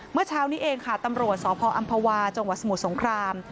เมื่อเช้านี้เองค่ะตำรวจสพอำภาวาจังหวัดสมุทรสงคราม